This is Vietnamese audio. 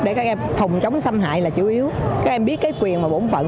để các em phòng chống xâm hại là chủ yếu các em biết cái quyền và bổn phận